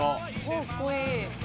かっこいい。